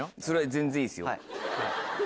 全然いいですよ。